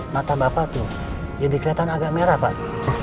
mata bapak tuh jadi kelihatan agak merah pak